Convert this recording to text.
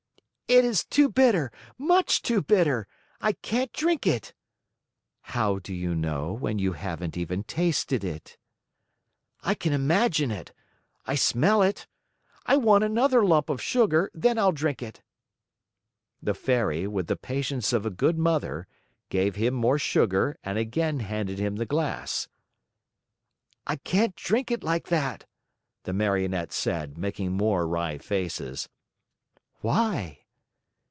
"It is too bitter, much too bitter! I can't drink it." "How do you know, when you haven't even tasted it?" "I can imagine it. I smell it. I want another lump of sugar, then I'll drink it." The Fairy, with all the patience of a good mother, gave him more sugar and again handed him the glass. "I can't drink it like that," the Marionette said, making more wry faces. "Why?"